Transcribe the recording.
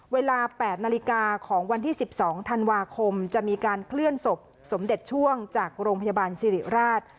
เวลา๘นาฬิกาของวันที่๑๒ธันวาคมจะมีการเคลื่อนศพสมเด็จช่วงจากโรงพยาบาลสิริราช